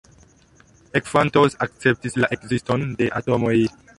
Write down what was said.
Ekfantos akceptis la ekziston de atomoj.